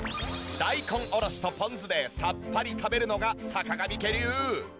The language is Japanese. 大根おろしとポン酢でさっぱり食べるのが坂上家流。